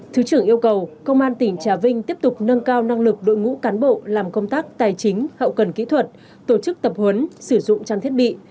thứ trưởng yêu cầu công an tỉnh trà vinh tiếp tục nâng cao năng lực đội ngũ cán bộ làm công tác tài chính hậu cần kỹ thuật tổ chức tập huấn sử dụng trang thiết bị